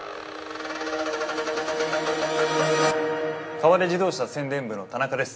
河出自動車宣伝部の田中です。